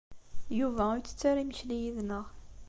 Yuba ur yettett ara imekli yid-neɣ.